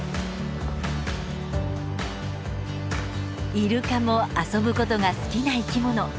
イルカも遊ぶことが好きな生き物。